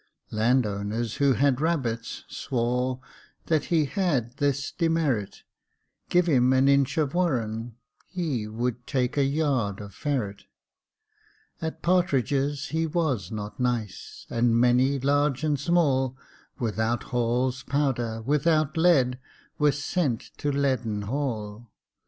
Land owners, who had rabbits, swore That he had this demerit Give him an inch of warren, he Would take a yard of ferret. At partridges he was not nice; And many, large and small, Without Hall's powder, without lead, Were sent to Leaden Hall.